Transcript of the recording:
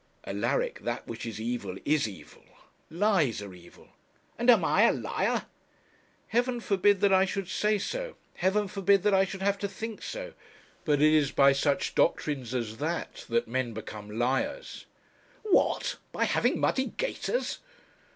'Alaric, that which is evil is evil. Lies are evil ' 'And am I a liar?' 'Heaven forbid that I should say so: heaven forbid that I should have to think so! but it is by such doctrines as that that men become liars.' 'What! by having muddy gaiters?'